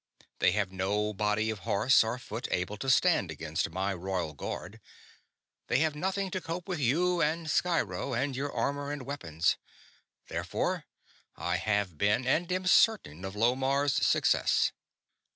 They have no body of horse or foot able to stand against my Royal Guard; they have nothing to cope with you and Sciro and your armor and weapons. Therefore I have been and am certain of Lomarr's success.